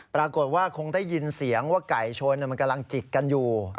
ปรากฏว่าคงได้ยินเสียงว่าไก่ชนมันกำลังจิกกันอยู่